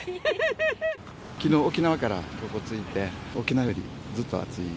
きのう、沖縄からここ着いて、沖縄よりずっと暑い。